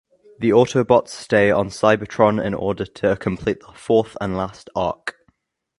The Autobots stay on Cybertron in order to complete the fourth and last Ark.